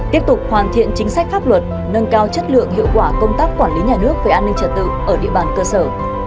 tiếp tục hoàn thiện chính sách pháp luật nâng cao chất lượng hiệu quả công tác quản lý nhà nước về an ninh trật tự ở địa bàn cơ sở